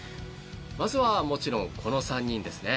まずはもちろんこの３人ですね。